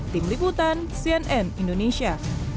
tim liputan cnn indonesia